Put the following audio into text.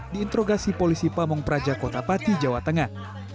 diintrogasi polisi pamung prajakota pati jawa tengah